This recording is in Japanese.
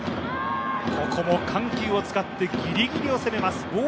ここも緩急を使って、ギリギリを攻めます。